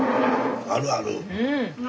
あるある。